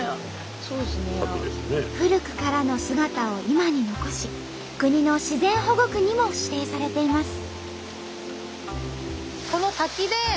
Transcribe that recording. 古くからの姿を今に残し国の自然保護区にも指定されています。